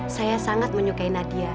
saya sangat menyukai nadia